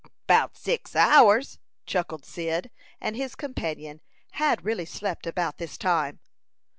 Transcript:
"Bout six hours," chuckled Cyd; and his companion had really slept about this time.